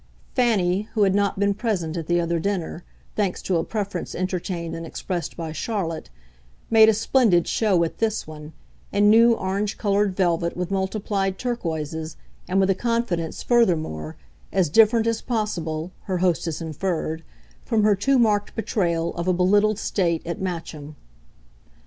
Fanny, who had not been present at the other dinner, thanks to a preference entertained and expressed by Charlotte, made a splendid show at this one, in new orange coloured velvet with multiplied turquoises, and with a confidence, furthermore, as different as possible, her hostess inferred, from her too marked betrayal of a belittled state at Matcham.